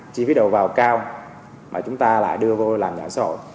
chi phí đầu vào cao mà chúng ta lại đưa vô làm nhà ở xã hội